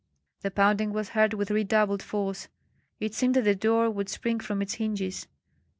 The pounding was heard with redoubled force; it seemed that the door would spring from its hinges.